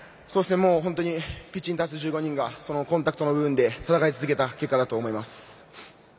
本当にピッチに立つ１５人がコンタクトの部分で戦い続けた結果だと思います。